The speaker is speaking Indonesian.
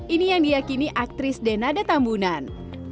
ini yang diakini aktris denada tambunan